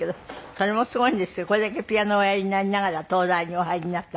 それもすごいんですけどこれだけピアノをおやりになりながら東大にお入りになった。